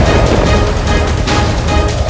aku akan menangkapmu